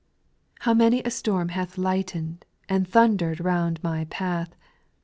How many a storm hath lightened And thunder'd round my path !